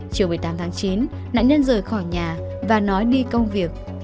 chiều một mươi tám tháng chín nạn nhân rời khỏi nhà và nói đi công việc